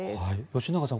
吉永さん